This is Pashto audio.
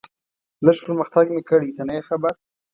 لږ پرمختګ مې کړی، ته نه یې خبر.